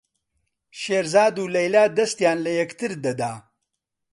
شێرزاد و لەیلا دەستیان لە یەکتر دەدا.